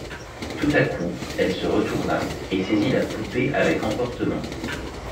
Tout à coup, elle se retourna et saisit la poupée avec emportement.